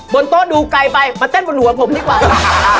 บนโต๊ะดูไกลไปมาเต้นบนหัวผมดีกว่า